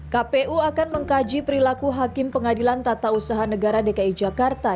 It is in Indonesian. kpu akan mengkaji perilaku hakim pengadilan tata usaha negara dki jakarta